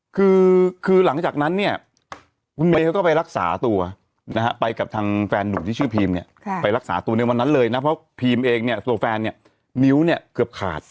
คือคือหลังจากนั้นเนี่ยคุณเมย์เขาก็ไปรักษาตัวนะฮะไปกับทางแฟนหนุ่มที่ชื่อพีมเนี่ยไปรักษาตัวในวันนั้นเลยนะเพราะพีมเองเนี่ยตัวแฟนเนี่ยนิ้วเนี่ยเกือบขาด